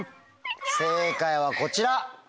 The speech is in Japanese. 正解はこちら。